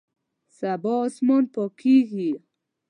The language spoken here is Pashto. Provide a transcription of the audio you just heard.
سبا اسمان پاکیږي